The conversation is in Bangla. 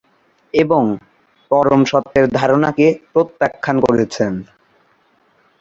এবং পরম সত্যের ধারণাকে প্রত্যাখ্যান করেছেন।